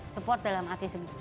support dalam arti segalanya